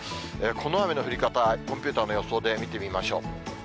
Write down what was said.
この雨の降り方、コンピューターの予想で見てみましょう。